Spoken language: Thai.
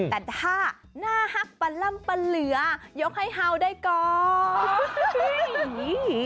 แต่ถ้าหน้าฮักปะล่ำปะเหลือยกให้เฮาได้ก่อน